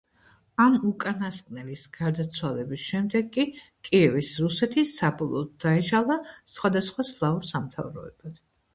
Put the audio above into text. ამ უკანასკნელის გარდაცვალების შემდეგ კი კიევის რუსეთი საბოლოოდ დაიშალა სხვადასხვა სლავურ სამთავროებად.